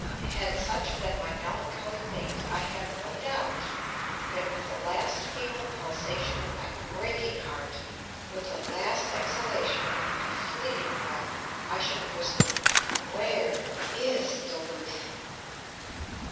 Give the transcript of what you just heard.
Had such been my melancholy fate, I have no doubt that, with the last feeble pulsation of my breaking heart, with the last faint exhalation of my fleeting breath, I should have whispered, "Where is Duluth?"